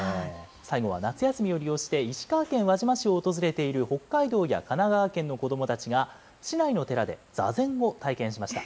最後は夏休みを利用して、石川県輪島市を訪れている北海道や神奈川県の子どもたちが、市内の寺で座禅を体験しました。